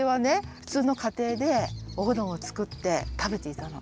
ふつうのかていでおうどんを作って食べていたの。